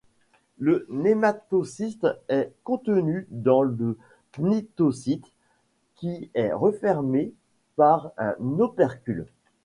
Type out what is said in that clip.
Le nématocyste est contenu dans le cnidocyte, qui est refermé par un opercule.